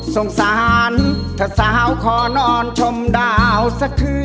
สงสารถ้าสาวขอนอนชมดาวสักคืน